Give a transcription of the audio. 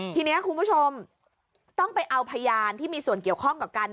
ทีนี้คุณผู้ชมต้องไปเอาพยานที่มีส่วนเกี่ยวข้องกับการ